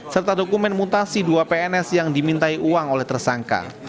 serta dokumen mutasi dua pns yang dimintai uang oleh tersangka